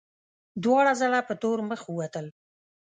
دواړه ځله په تور مخ ووتل.